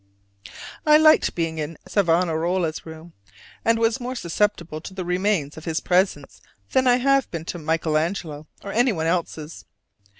I liked being in Savonarola's room, and was more susceptible to the remains of his presence than I have been to Michel Angelo or anyone else's.